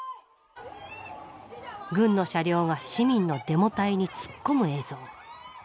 軍の車両が市民のデモ隊に突っ込む映像。